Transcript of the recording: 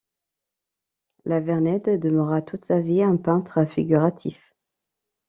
La Vernède demeura toute sa vie un peintre figuratif.